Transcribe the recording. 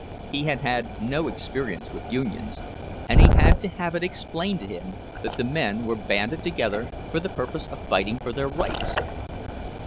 He had had no experience with unions, and he had to have it explained to him that the men were banded together for the purpose of fighting for their rights.